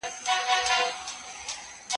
گمان نه کوم، چي دا وړۍ دي شړۍ سي.